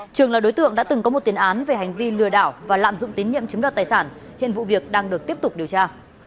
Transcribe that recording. trường là đối tượng đã từng có một tiền án về hành vi lừa đảo và lạm dụng tín nhiệm chiếm đoạt tài sản hiện vụ việc đang được tiếp tục điều tra